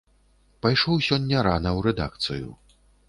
Пайшоў сёння рана ў рэдакцыю.